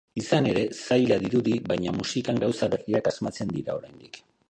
Izan ere, zaila dirudi, baina musikan gauza berriak asmatzen dira oraindik.